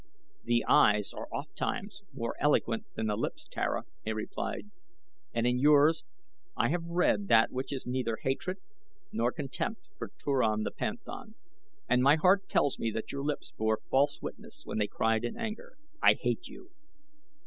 "The eyes are ofttimes more eloquent than the lips, Tara," he replied; "and in yours I have read that which is neither hatred nor contempt for Turan the panthan, and my heart tells me that your lips bore false witness when they cried in anger: 'I hate you!'"